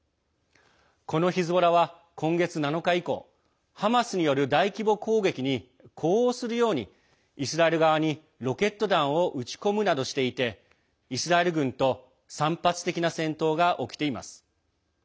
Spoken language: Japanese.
このヒズボラは今月７日以降ハマスによる大規模攻撃に呼応するようにイスラエル側にロケット弾を撃ち込むなどしていてイスラエル軍と散発的な戦闘が起きています。